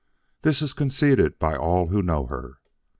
This is conceded by all who know her.